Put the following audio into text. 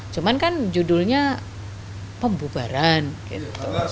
cuman kan judulnya pembubaran gitu